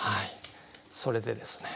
それでですね